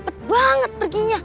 cepet banget perginya